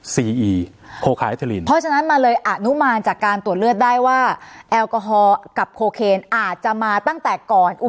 เพราะฉะนั้นมันเลยอาจนุมาจากการตรวจเลือดได้ว่าแอลกอฮอล์กับโคเคนอาจจะมาตั้งแต่ก่อนอุบัติเหตุ